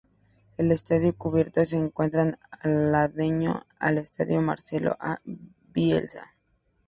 El Estadio Cubierto se encuentra aledaño al Estadio Marcelo A. Bielsa.